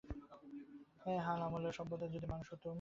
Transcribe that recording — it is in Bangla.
হাল আমলের সভ্যতায় যদি মানুষ হতুম তা হলে কী হত বলা যায় না।